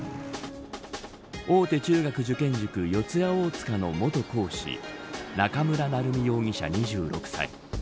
大手中学受験塾四谷大塚の元講師中村成美容疑者２６歳。